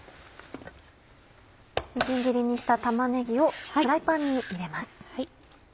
みじん切りにした玉ねぎをフライパンに入れます。